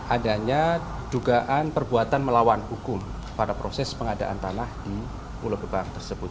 adanya dugaan perbuatan melawan hukum pada proses pengadaan tanah di pulau gebang tersebut